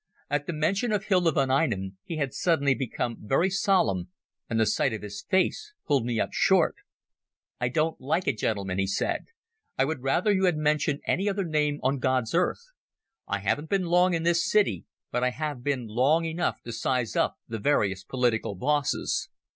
At the mention of Hilda von Einem he had suddenly become very solemn, and the sight of his face pulled me up short. "I don't like it, gentlemen," he said. "I would rather you had mentioned any other name on God's earth. I haven't been long in this city, but I have been long enough to size up the various political bosses.